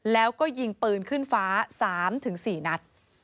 แล้วก็ยิงปืนขึ้นฟ้า๓๔นัด